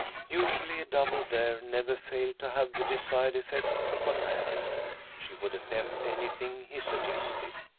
Usually a double dare never failed to have the desired effect upon Mary. She would attempt anything he suggested.